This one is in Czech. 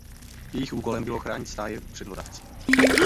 Jejich úkolem bylo chránit stáje před hlodavci.